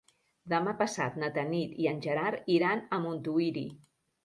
Demà passat na Tanit i en Gerard iran a Montuïri.